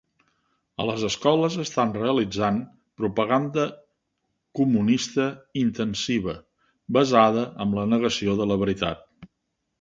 A les escoles estan realitzant propaganda comunista intensiva, basada en la negació de la veritat.